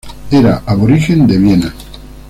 Era aborigen de Viena.